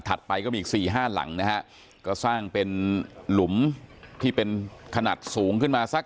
ไปก็มีอีก๔๕หลังนะฮะก็สร้างเป็นหลุมที่เป็นขนาดสูงขึ้นมาสัก